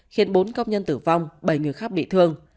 khiến bốn công nhân tử vong bảy người khác bị thương